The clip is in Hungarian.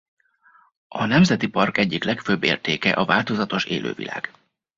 A nemzeti park egyik legfőbb értéke a változatos élővilág.